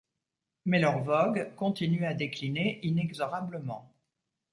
Mais leur vogue continue à décliner inexorablement.